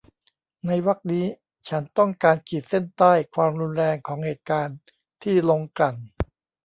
ในวรรคนี้ฉันต้องการขีดเส้นใต้ความรุนแรงของเหตุการณ์ที่โรงกลั่น